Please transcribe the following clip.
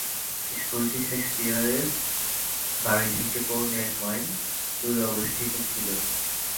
স্কুলটি শেকসপিয়রের বাড়ি থেকে পৌনে-এক মাইল দূরে অবস্থিত ছিল।